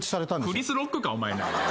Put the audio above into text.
クリス・ロックかお前。